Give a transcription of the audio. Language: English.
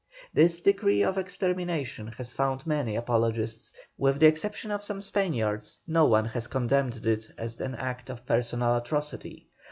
This decree of extermination has found many apologists; with the exception of some Spaniards no one has condemned it as an act of personal atrocity.